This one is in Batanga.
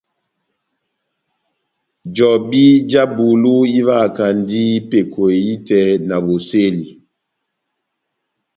Jobi já bulu ivahakandi peko ehitɛ na bosɛli.